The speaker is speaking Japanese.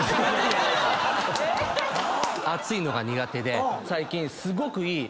暑いのが苦手で最近すごくいい。